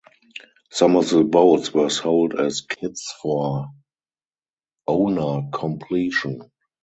Some of the boats were sold as kits for owner completion.